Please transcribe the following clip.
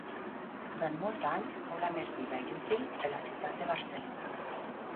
Durant molts anys fou la més viva i útil de la ciutat de Barcelona.